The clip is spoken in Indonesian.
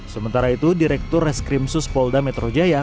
sementara itu direktur reskrim suspolda metro jaya